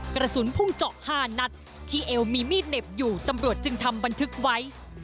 กระสุนพุ่งเจาะ๕นัดที่เอวมีมีดเหน็บอยู่ตำรวจจึงทำบันทึกไว้